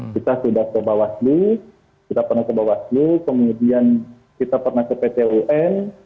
kita sudah ke bawaslu kita pernah ke bawaslu kemudian kita pernah ke pt un